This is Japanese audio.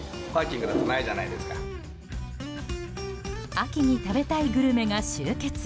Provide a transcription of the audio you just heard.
秋に食べたいグルメが集結。